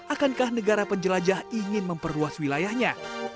akankah negara penjelajah ingin memperluas wilayahnya